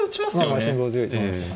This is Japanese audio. まあまあ辛抱強いと思います。